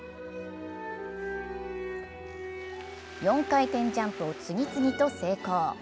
４回転ジャンプを次々と成功。